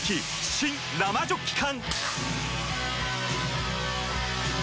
新・生ジョッキ缶！